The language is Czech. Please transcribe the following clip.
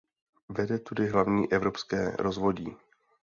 Vede tudy hlavní evropské rozvodí.